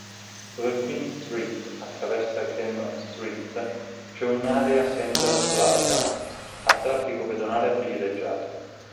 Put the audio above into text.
Dove Queen Street attraversa Cannon Street c'è un'area "Central Plaza" a traffico pedonale privilegiato.